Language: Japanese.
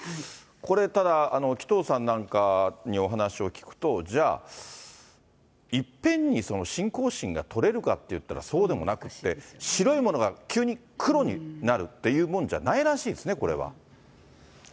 これ、ただ、紀藤さんなんかにお話を聞くと、じゃあ、いっぺんにその信仰心が取れるかっていったらそうでもなくって、白いものが急に黒になるっていうもんじゃないらしいですね、これは。